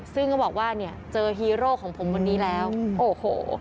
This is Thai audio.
ซึ่งก็บอกว่าเนี่ยเจอฮีโร่ของผมวันนี้แล้วโอ้โห